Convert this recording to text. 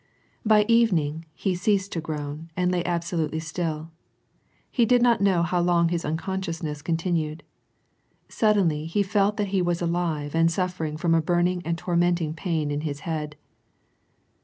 By evening, he ceased to groan, and lay absolutely still. He did not know how long his unconsciousness continued. Sud denly, he felt that he was alive and suffering from a burning and tormenting pain in his head.